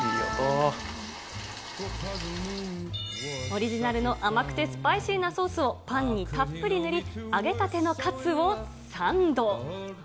オリジナルの甘くてスパイシーなソースをパンにたっぷり塗り、揚げたてのカツをサンド。